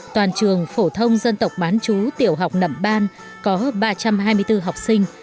toàn trường phổ thông dân tộc bán chú tiểu học nậm ban có ba trăm hai mươi bốn học sinh